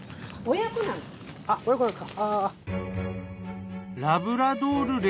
親子なんですか。